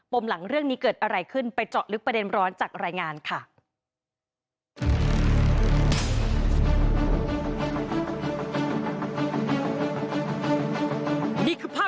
มหลังเรื่องนี้เกิดอะไรขึ้นไปเจาะลึกประเด็นร้อนจากรายงานค่ะ